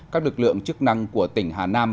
các lực lượng chức năng của tỉnh hà nam